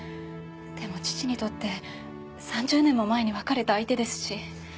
でも父にとって３０年も前に別れた相手ですし。